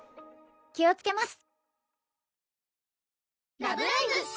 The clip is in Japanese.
気をつけます。